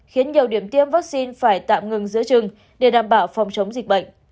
khiến nhiều điểm tiêm vaccine phải tạm ngừng giữa trừng để đảm bảo phòng chống dịch bệnh